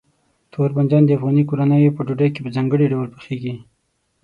تور بانجان د افغاني کورنیو په ډوډۍ کې په ځانګړي ډول پخېږي.